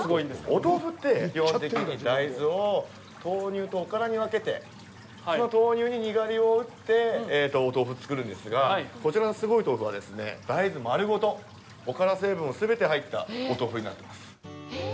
お豆腐って基本的に大豆を豆乳とおからに分けてその豆乳ににがりを打ってお豆腐を作るんですがこちらのすごいとうふは大豆丸ごと、おから成分が全て入ったお豆腐になっております。